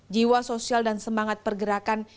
jiwa sosial dan semangat pergerakan